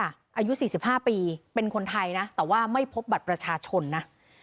อายุ๔๕ปีเป็นคนไทยนะแต่ว่าไม่พบบัตรประชาชนนะ